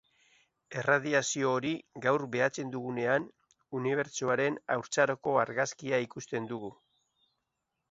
Erradiazio hori gaur behatzen dugunean, unibertsoaren haurtzaroko argazkia ikusten dugu.